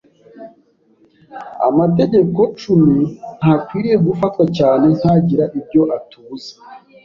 Amategeko cumi ntakwiriye gufatwa cyane nk’agira ibyo atubuza